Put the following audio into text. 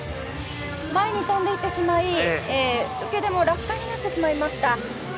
前に飛んでいってしまい受けても落下になってしまいました。